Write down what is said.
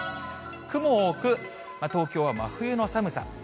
雲多く東京は真冬の寒さ。